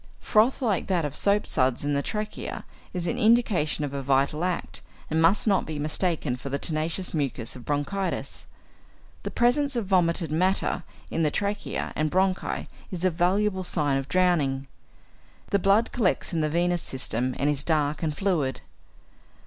Froth like that of soap suds in the trachea is an indication of a vital act, and must not be mistaken for the tenacious mucus of bronchitis. The presence of vomited matters in the trachea and bronchi is a valuable sign of drowning. The blood collects in the venous system, and is dark and fluid.